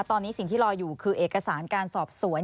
ตอนนี้สิ่งที่รออยู่คือเอกสารการสอบสวน